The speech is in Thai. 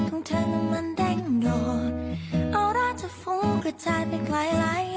โอ้ยเนี่ย